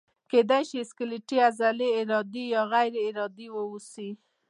کیدای شي سکلیټي عضلې ارادي او یا غیر ارادي اوسي.